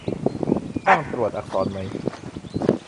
จ้างตรวจอักษรไหม